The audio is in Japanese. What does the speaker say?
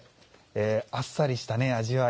あっさりした味わい。